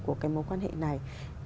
của cái mối quan hệ này